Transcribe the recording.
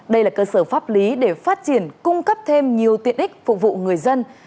đây là cơ sở pháp lý để phát triển cung cấp thêm nhiều tiện ích phục vụ người dân